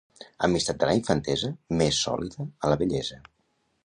Amistat de la infantesa, més sòlida a la vellesa.